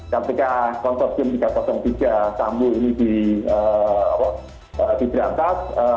ketika kontorsium tiga ratus tiga sambil ini diberantas